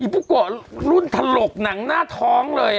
ปุ๊กโกะรุ่นถลกหนังหน้าท้องเลย